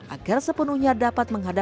agar sepenuhnya dapat menghasilkan